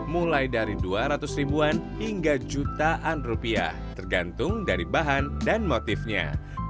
mulai dari dua ratus ribuan hingga jutaan rupiah tergantung dari bahan dan motifnya